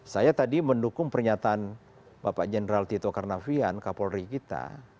saya tadi mendukung pernyataan bapak jenderal tito karnavian kapolri kita